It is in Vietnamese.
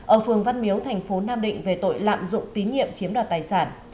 ở phường văn miếu thành phố nam định về tội lạm dụng tín nhiệm chiếm đoạt tài sản